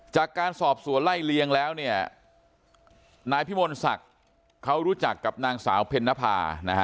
จากการสอบสวนไล่เลี้ยงแล้วเนี่ยนายพิมลศักดิ์เขารู้จักกับนางสาวเพ็ญนภานะฮะ